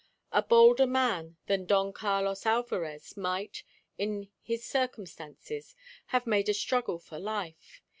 A bolder man than Don Carlos Alvarez might, in his circumstances, have made a struggle for life.